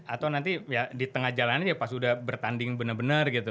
atau nanti ya di tengah jalanan ya pas udah bertanding bener bener gitu